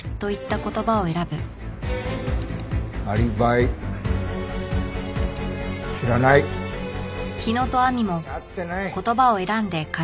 「アリバイ」「知らない」「やってない」。